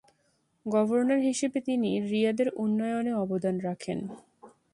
Governor হিসেবে তিনি রিয়াদের উন্নয়নে অবদান রাখেন।